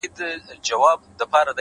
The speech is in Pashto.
علم د فکر د پراختیا بنسټ دی!